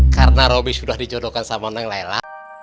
karena robby sudah dicodokan sama menang lela